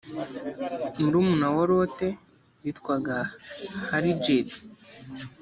murumuna wa lotte witwaga hallgerd